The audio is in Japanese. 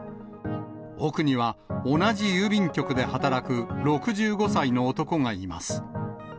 奥には同じ郵便局で働く、６５歳の男がいます。